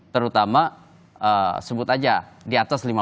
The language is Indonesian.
terutama sebut aja di atas lima puluh